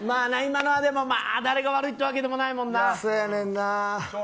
誰が悪いってわけでもないもんな。